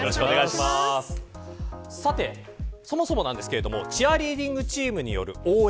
そもそもですがチアリーディングチームによる応援